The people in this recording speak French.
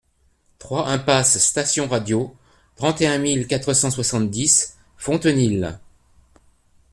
trois impasse Station Radio, trente et un mille quatre cent soixante-dix Fontenilles